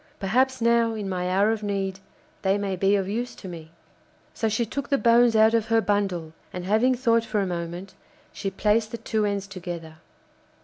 Perhaps now, in my hour of need, they may be of use to me.' So she took the bones out of her bundle, and having thought for a moment, she placed the two ends together.